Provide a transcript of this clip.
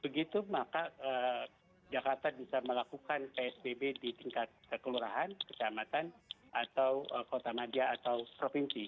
begitu maka jakarta bisa melakukan psbb di tingkat kelurahan kecamatan atau kota madia atau provinsi